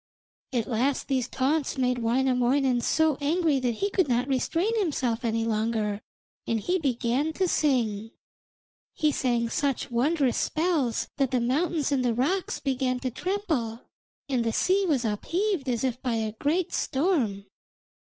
At last these taunts made Wainamoinen so angry that he could not restrain himself any longer, and he began to sing. He sang such wondrous spells that the mountains and the rocks began to tremble, and the sea was upheaved as if by a great storm.